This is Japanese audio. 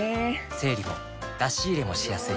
整理も出し入れもしやすい